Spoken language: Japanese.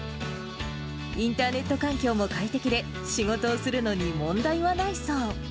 インターネット環境も快適で、仕事をするのに問題はないそう。